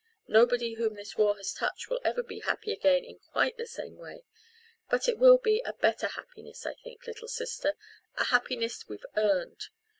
Nobody whom this war has touched will ever be happy again in quite the same way. But it will be a better happiness, I think, little sister a happiness we've earned.